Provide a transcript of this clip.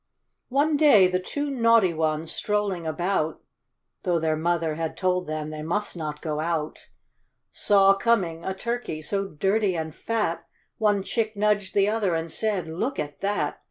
One day the two naughty ones, strolling about, (Though their mother had told them they must not go out,) THE DISOBEDIENT CHICKS. 47 Saw coming a Turkey, so dirty and fat; One chick nudged the other, and said, " Look at that."